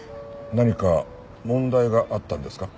何か問題があったんですか？